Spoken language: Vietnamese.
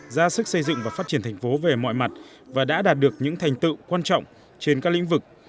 ra sức xây dựng và phát triển thành phố về mọi mặt và đã đạt được những thành tựu quan trọng trên các lĩnh vực